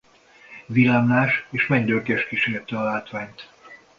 Villámlás és mennydörgés kísérte a látványt.